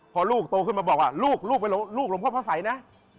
พอลูกโตขึ้นมาบอกว่าลูกลูกหลวงพ่อพระสัยนะ